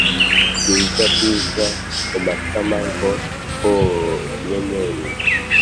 rwiza rwiza mumatama ngo pooooooo inyenyeri